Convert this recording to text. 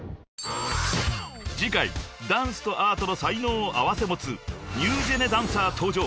［次回ダンスとアートの才能を併せ持つニュージェネダンサー登場］